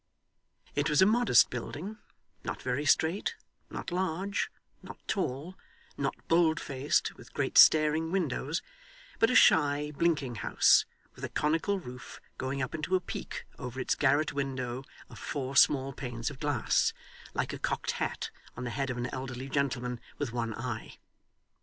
It was a modest building, not very straight, not large, not tall; not bold faced, with great staring windows, but a shy, blinking house, with a conical roof going up into a peak over its garret window of four small panes of glass, like a cocked hat on the head of an elderly gentleman with one eye.